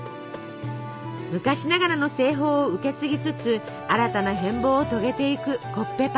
昔ながらの製法を受け継ぎつつ新たな変貌を遂げていくコッペパン。